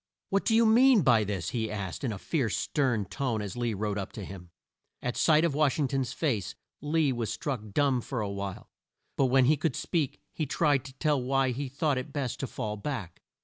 "What do you mean by this?" he asked in a fierce stern tone as Lee rode up to him. At sight of Wash ing ton's face Lee was struck dumb for a while, but when he could speak he tried to tell why he had thought it best to fall back.